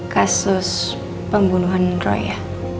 kasus pembunuhan roy ya